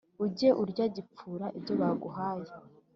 Ujye urya gipfura ibyo baguhaye,